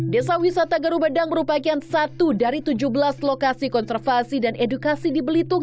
desa wisata gerubedang merupakan satu dari tujuh belas lokasi konservasi dan edukasi di belitung